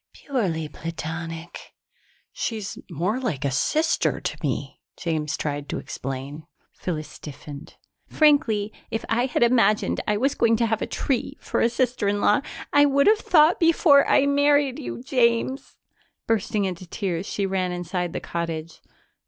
"Purely platonic." "She's more like a sister to me," James tried to explain. Phyllis stiffened. "Frankly, if I had imagined I was going to have a tree for a sister in law, I would have thought before I married you, James." Bursting into tears, she ran inside the cottage.